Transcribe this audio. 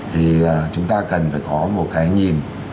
thì chúng ta cần phải có một cái nhìn